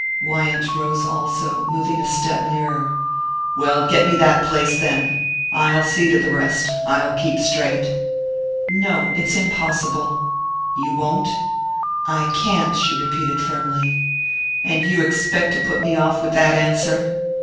Wyant rose also, moving a step nearer. "Well, get me that place, then I'll see to the rest: I'll keep straight." "No it's impossible." "You won't?" "I can't," she repeated firmly. "And you expect to put me off with that answer?"